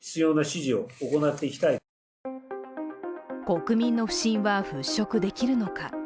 国民の不信は払拭できるのか。